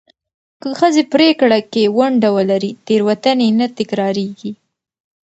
که ښځې پرېکړه کې ونډه ولري، تېروتنې نه تکرارېږي.